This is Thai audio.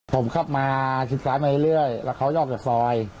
ผมขับมาชิดซ้ายมาเรื่อยแล้วเขาออกจากซอย